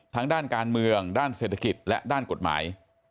ด้านการเมืองด้านเศรษฐกิจและด้านกฎหมาย